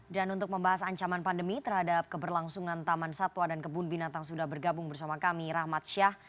dan untuk membahas ancaman pandemi terhadap keberlangsungan taman satwa dan kebun binatang sudah bergabung bersama kami rahmat syah